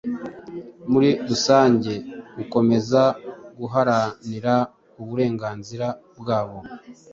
muri rusange gukomeza guharanira uburenganzira bwabo.